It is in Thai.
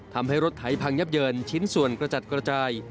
ทำให้รถไถพังยับเยินชิ้นส่วนกระจัดกระจาย